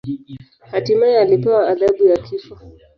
Hatimaye alipewa adhabu ya kifo.